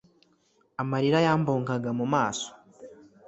amarira yambungaga mu maso